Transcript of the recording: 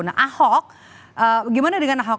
nah ahok gimana dengan ahok